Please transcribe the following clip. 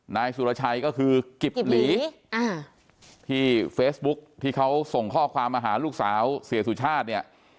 นายสุรชัยก็คือกิบหลีที่เฟซบุ๊คที่เขาส่งข้อความมาหาลูกสาวเสียสุชาติเนี่ย